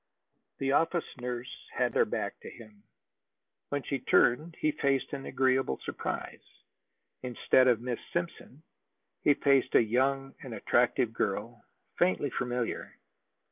The office nurse had her back to him. When she turned, he faced an agreeable surprise. Instead of Miss Simpson, he faced a young and attractive girl, faintly familiar.